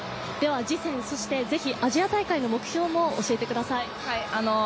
次戦、そして是非アジア大会の目標も教えてください。